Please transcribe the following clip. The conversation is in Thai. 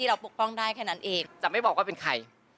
ปกป้องได้แค่นั้นเองจะไม่บอกว่าเป็นใคร